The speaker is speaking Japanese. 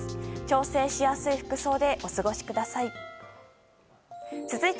調整しやすい服装でお過ごしください。